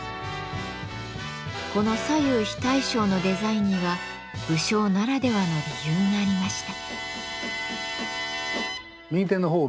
この左右非対称のデザインには武将ならではの理由がありました。